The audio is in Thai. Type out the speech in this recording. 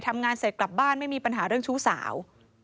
ทำงานเสร็จกลับบ้านไม่มีปัญหาเรื่องชู้สาว